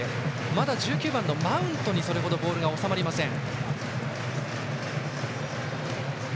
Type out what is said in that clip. まだ１９番、マウントにはそれほどボールが収まりません。